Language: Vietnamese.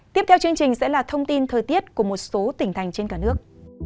tiếp theo chương trình sẽ là thông tin thời tiết của một số tỉnh thành trên cả nước